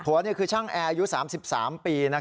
ผัวนี่คือช่างอายุ๓๓ปี